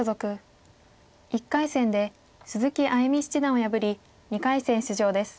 １回戦で鈴木歩七段を破り２回戦出場です。